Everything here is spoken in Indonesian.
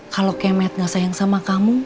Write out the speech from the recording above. kalau kemet gak sayang sama kamu